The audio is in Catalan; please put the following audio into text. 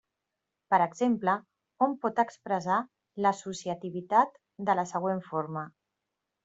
Per exemple, hom pot expressar l'associativitat de la següent forma.